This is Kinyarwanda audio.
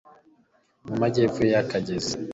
mu majyepfo y'akagezi